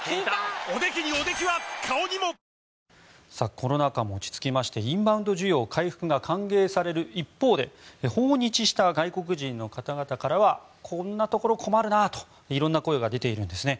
コロナ禍も落ち着きましてインバウンド需要回復が歓迎される一方で訪日した外国人の方々からはこんなところ困るなと色んな声が出ているんですね。